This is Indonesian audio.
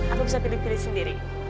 aku bisa pilih pilih sendiri